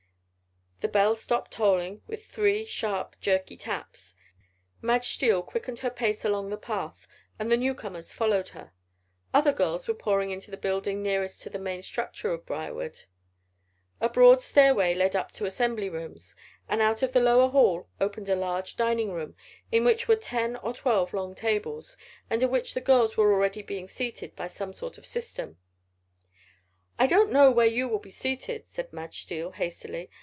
The bell stopped tolling with three, sharp, jerky taps. Madge Steele quickened her pace along the path and the newcomers followed her. Other girls were pouring into the building nearest to the main structure of Briarwood. A broad stairway led up to assembly rooms; but out of the lower hall opened a large dining room, in which were ten or twelve long tables, and at which the girls were already being seated by some sort of system. "I don't know where you will be seated," said Madge Steele, hastily.